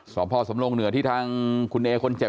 สอบพ่อสำรงเหนือที่ทางคุณเอคนเจ็บ